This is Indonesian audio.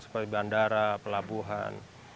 seperti bandara pelabuhan